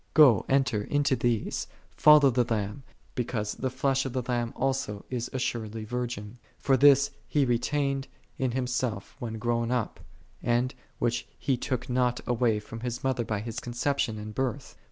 Go (enter) into these, follow the Lamb, because the Flesh of the Lamb also is assuredly vir gin. For this He retained in Himself when grown up, which He took not away from His Mother by His conception and birth.